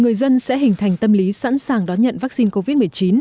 người dân sẽ hình thành tâm lý sẵn sàng đón nhận vaccine covid một mươi chín